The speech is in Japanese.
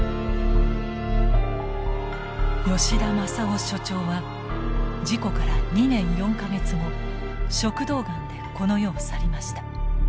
吉田昌郎所長は事故から２年４か月後食道ガンでこの世を去りました。